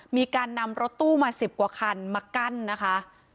มีการนำรถตู้มา๑๐กว่าคันมากั้นนะคะ